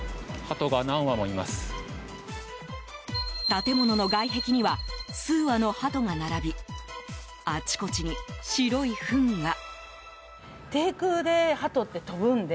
建物の外壁には数羽のハトが並びあちこちに白いフンが。